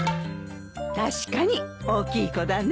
確かに大きい子だね。